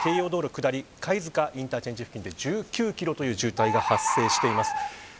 下り貝塚インターチェンジ付近で１９キロという渋滞が発生しています。